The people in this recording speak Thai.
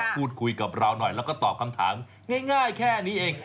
พูดคุยกับเราหน่อยแล้วก็ตอบคำถามง่ายแค่นี้เอง